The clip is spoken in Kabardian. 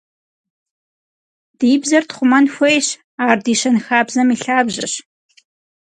Ди бзэр тхъумэн хуейщ, ар ди щэнхабзэм и лъабжьэщ.